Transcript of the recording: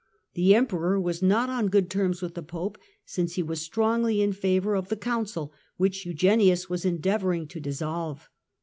The Emperor was not on good terms with the Pope, since he was strongly in favour of the Council, which Eugenius was endeavouring to dissolve.